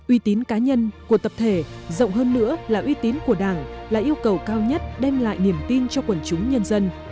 uy tín cá nhân của tập thể rộng hơn nữa là uy tín của đảng là yêu cầu cao nhất đem lại niềm tin cho quần chúng nhân dân